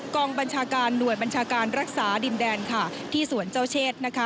กองบัญชาการหน่วยบัญชาการรักษาดินแดนค่ะที่สวนเจ้าเชษ